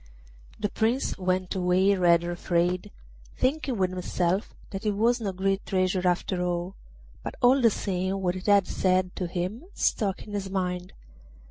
The Prince went away rather afraid, thinking with himself that it was no great treasure after all; but all the same what it had said to him stuck in his mind.